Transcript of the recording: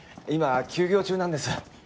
今休業中なんです。